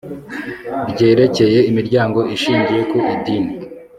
ryerekeye imiryango ishingiye ku idini